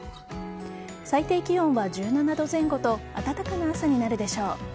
最低気温は１７度前後と暖かな朝になるでしょう。